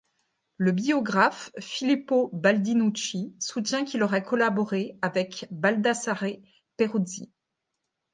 Le biographe Filippo Baldinucci soutient qu'il aurait collaboré avec Baldassare Peruzzi.